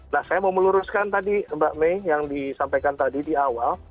nah saya mau meluruskan tadi mbak may yang disampaikan tadi di awal